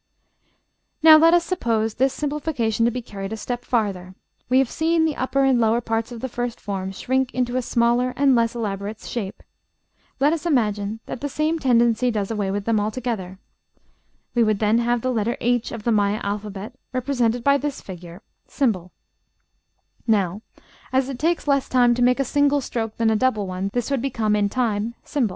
Now let us suppose this simplification to be carried a step farther: we have seen the upper and lower parts of the first form shrink into a smaller and less elaborate shape; let us imagine that the same tendency does away with them altogether; we would then have the letter H of the Maya alphabet represented by this figure, ###; now, as it takes less time to make a single stroke than a double one, this would become in time ###.